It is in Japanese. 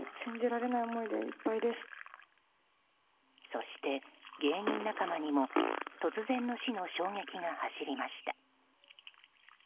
そして、芸人仲間にも突然の死の衝撃が走りました。